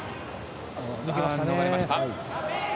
抜けましたね。